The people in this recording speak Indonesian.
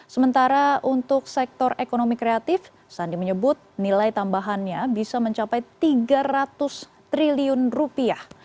sementara untuk sektor ekonomi kreatif sandi menyebut nilai tambahannya bisa mencapai tiga ratus triliun rupiah